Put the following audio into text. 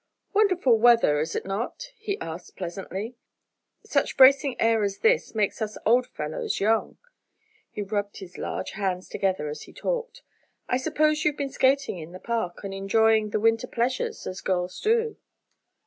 "Wonderful weather; is it not?" he asked, pleasantly. "Such bracing air as this makes us old fellows young," he rubbed his large hands together as he talked. "I suppose you've been skating in the Park, and enjoying the Winter pleasures, as girls do!"